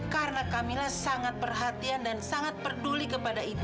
karena kamila sangat perhatian dan sangat peduli kepada ibu